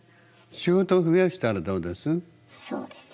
仕事増やしたらどうです？